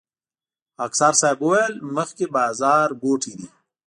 خاکسار صیب وويل مخکې بازارګوټی دی.